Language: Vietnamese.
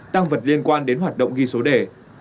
tăng vật liên quan đến hoạt động ghi số đề